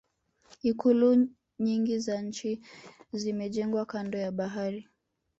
ikulu nyingi za nchi zimejengwa kando ya bahari